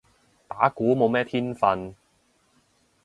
打鼓冇咩天份